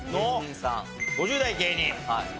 ５０代芸人さん。